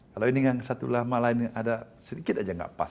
kalau ini yang satu lama malah ini yang ada sedikit aja nggak pas